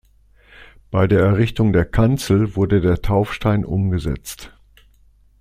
Bei der Errichtung der Kanzel wurde der Taufstein umgesetzt.